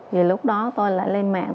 thì lúc đó tôi lại lên mạng